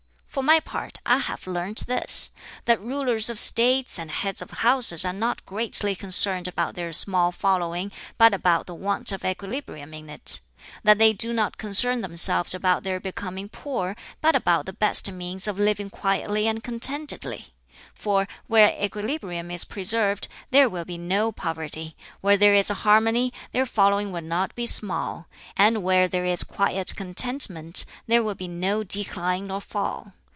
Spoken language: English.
For my part, I have learnt this that rulers of States and heads of Houses are not greatly concerned about their small following, but about the want of equilibrium in it that they do not concern themselves about their becoming poor, but about the best means of living quietly and contentedly; for where equilibrium is preserved there will be no poverty, where there is harmony their following will not be small, and where there is quiet contentment there will be no decline nor fall.